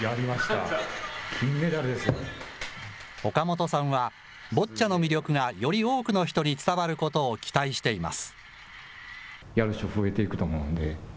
岡本さんは、ボッチャの魅力がより多くの人に伝わることを期待しています。